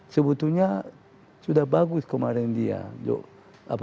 sebetulnya sudah bagus kemarin dia